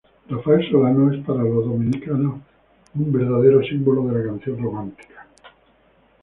Rafael Solano es para los dominicanos un verdadero símbolo de la canción romántica.